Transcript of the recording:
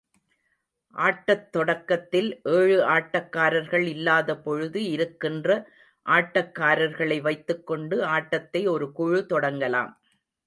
ஆட்டத் தொடக்கத்தில் ஏழு ஆட்டக்காரர்கள் இல்லாதபொழுது, இருக்கின்ற ஆட்டக்காரர்களை வைத்துக்கொண்டு ஆட்டத்தை ஒரு குழு தொடங்கலாம்.